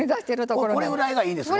これぐらいがいいですよね。